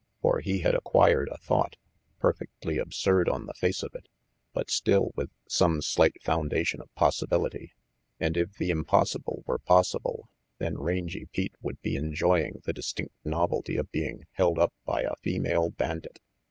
For he had acquired a thought, per fectly absurd on the face of it, but still with some slight foundation of possibility. And if the impos sible were possible, then Rangy Pete would be enjoying the distinct novelty of being held up by a female bandit.